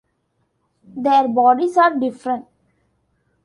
Their bodies are different.